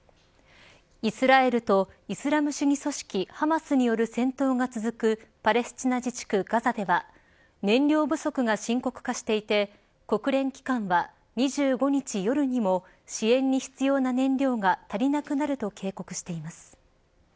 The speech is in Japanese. イスラエルとイスラム主義組織ハマスによる戦闘が続くパレスチナ自治区ガザでは燃料不足が深刻化していて国連機関は、２５日夜にも支援に必要な燃料が足りなくなると警告しています。